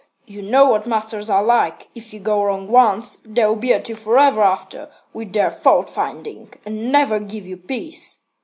You know what masters are like. If you go wrong once, they'll be at you forever after with their fault finding, and never give you peace."